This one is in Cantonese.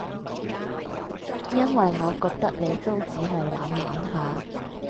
因為我覺得你都只係玩玩下